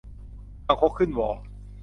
คางคกขึ้นวอ